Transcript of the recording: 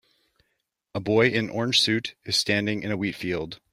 A boy in orange suit is standing in a wheat field.